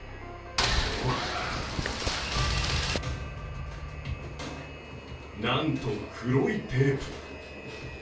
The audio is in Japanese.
それはなんと、黒いテープ。